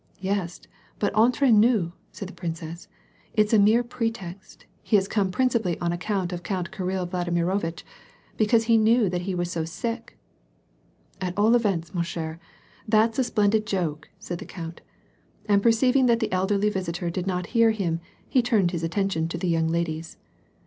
" Yes, but entre 7ious," said the princess, " it's a mere pretext ; he has come principally on account of Count Kirill Vladimirovitch, because he knew that he was so siclt." " At all events, ma ch^re, that's a splendid joke," said the count, and perceiving that the elderly visitor did not hear him, he turned his attention to the young ladies.